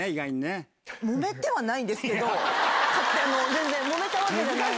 全然揉めたわけじゃないんです。